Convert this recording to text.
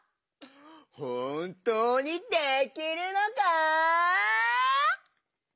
ほんとうにできるのか？